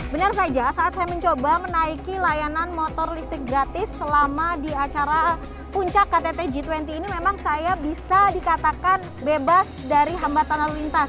benar saja saat saya mencoba menaiki layanan motor listrik gratis selama di acara puncak ktt g dua puluh ini memang saya bisa dikatakan bebas dari hambatan lalu lintas